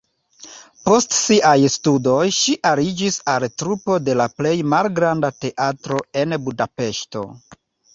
Post siaj studoj ŝi aliĝis al trupo de la plej malgranda teatro en Budapeŝto.